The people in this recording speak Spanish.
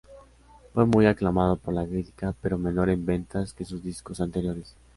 Fue muy aclamado por la crítica, pero menor en ventas que sus discos anteriores.